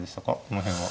この辺は。